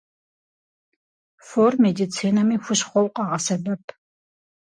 Фор медицинэми хущхъуэу къагъэсэбэп.